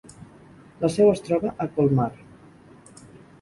La seu es troba a Colmar.